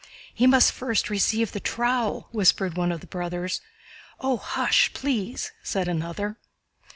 "He must first receive the trowel," whispered one of the brothers. "Oh, hush, please!" said another.